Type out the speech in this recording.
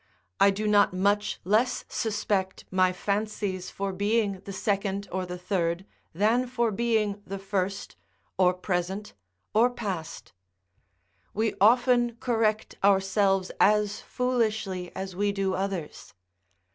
I do not much less suspect my fancies for being the second or the third, than for being the first, or present, or past; we often correct ourselves as foolishly as we do others.